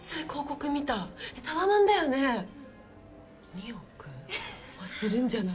２億はするんじゃない？